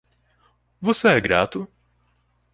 Você é grato?